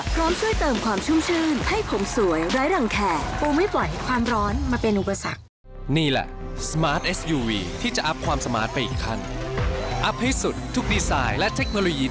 พร้อมช่วยเติมความชุ่มชื่นให้ผมสวยไร้รังแขกปูไม่ปล่อยความร้อนมาเป็นอุปสรรค์